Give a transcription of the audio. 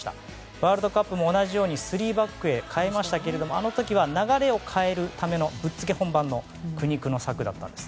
ワールドカップも同じように３バックに変えましたがあの時は流れを変えるためのぶっつけ本番の苦肉の策だったんです。